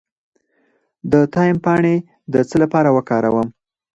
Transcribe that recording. د تایم پاڼې د څه لپاره وکاروم؟